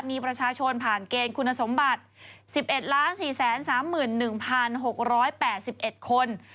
มีประชาชนผ่านเกณฑ์คุณสมบัติสิบเอ็ดล้านสี่แสนสามหมื่นหนึ่งพันหกร้อยแปดสิบเอ็ดคน